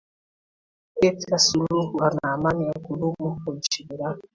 eta suluhu ama amani ya kudumu huko nchini iraq